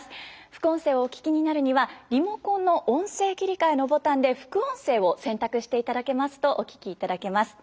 副音声をお聞きになるにはリモコンの「音声切替」のボタンで「副音声」を選択していただけますとお聞きいただけます。